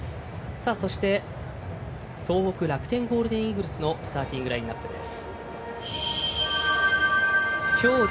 東北楽天ゴールデンイーグルスのスターティングラインナップです。